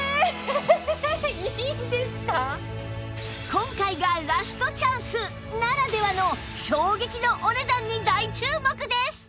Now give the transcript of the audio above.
今回がラストチャンスならではの衝撃のお値段に大注目です！